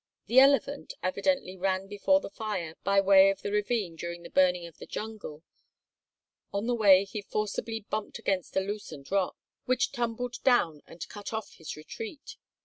The elephant evidently ran before the fire by way of the ravine during the burning of the jungle; on the way he forcibly bumped against a loosened rock, which tumbled down and cut off his retreat.